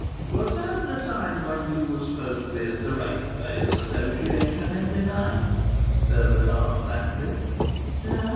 "Was that the time when you were supposed to be at the Ratepayers' Association every night?" Herbert asked blandly.